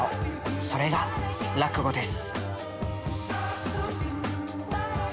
それが落語です。